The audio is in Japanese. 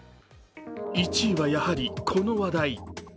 １位はやはりこの話題。